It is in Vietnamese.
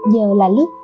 giờ là lúc